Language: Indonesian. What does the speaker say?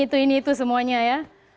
mau investasi ini itu semuanya ya